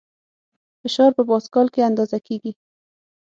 فشار په پاسکال کې اندازه کېږي.